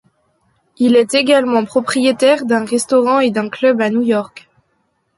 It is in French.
Il est également propriétaire d'un restaurant et d'un club à New York.